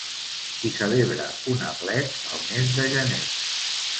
S'hi celebra un aplec al mes de gener.